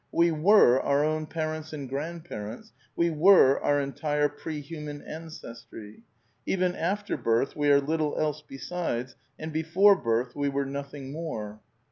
We were our own parents and grand parents, we were our entire prehuman ancestry. Even after birth we are little else besides, and before birth we were nothing more.